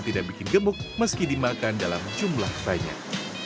tidak bikin gemuk meski dimakan dalam jumlah banyak